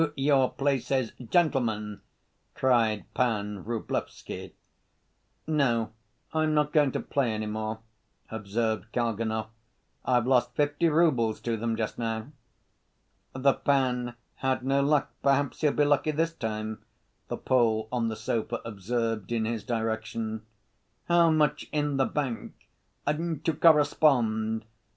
"To your places, gentlemen," cried Pan Vrublevsky. "No, I'm not going to play any more," observed Kalganov, "I've lost fifty roubles to them just now." "The pan had no luck, perhaps he'll be lucky this time," the Pole on the sofa observed in his direction. "How much in the bank? To correspond?"